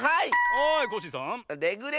はいコッシーさん。